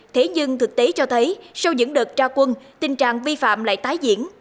thế nhưng thực tế cho thấy sau những đợt ra quân tình trạng vi phạm lại tái diễn